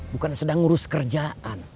bukan sedang ngurus kerjaan